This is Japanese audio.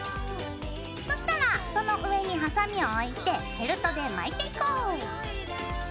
そしたらその上にハサミを置いてフェルトで巻いていこう。